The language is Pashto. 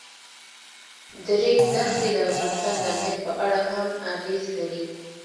د ریګ دښتې د افغانستان د امنیت په اړه هم اغېز لري.